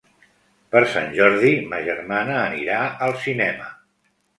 Per Sant Jordi ma germana anirà al cinema.